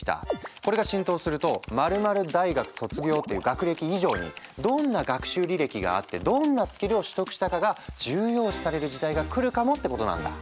これが浸透すると○○大学卒業という学歴以上にどんな学習履歴があってどんなスキルを取得したかが重要視される時代が来るかもってことなんだ。